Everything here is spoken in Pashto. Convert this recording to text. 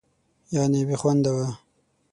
یعنې بېخونده وه.